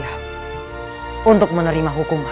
aku siap untuk menerima hubunganmu